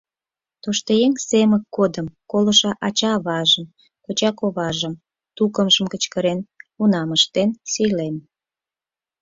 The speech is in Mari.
Тоштыеҥ Семык годым колышо ача-аважым, коча-коважым, тукымжым кычкырен, унам ыштен, сийлен.